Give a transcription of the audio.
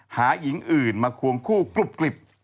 หาหญิงอื่นมาควงคู่กรุบกลิบ